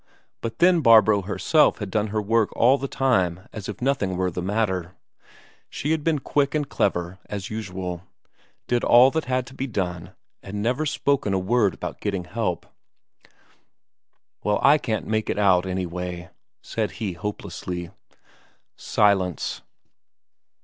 But then Barbro herself had done her work all the time as if nothing were the matter; she had been quick and clever as usual, did all that had to be done, and had never spoken a word about getting help. "Well, I can't make it out, anyway," said he hopelessly. Silence.